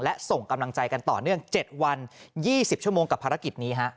และส่งกำลังใจกันต่อเนื่อง๗วัน๒๐ชั่วโมงกับภารกิจนี้ฮะ